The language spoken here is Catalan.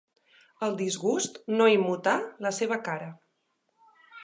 El disgust no immutà la seva cara.